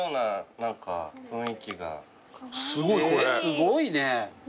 すごいね。